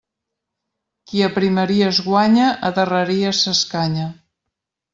Qui a primeries guanya, a darreries s'escanya.